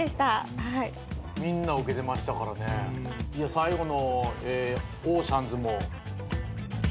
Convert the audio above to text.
最後の。